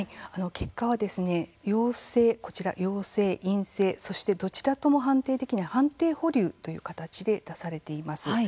結果は、陽性、陰性そしてどちらとも判定できない判定保留という形で出されています。